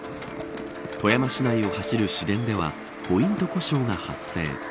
富山市内を走る市電ではポイント故障が発生。